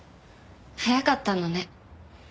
早かったのね。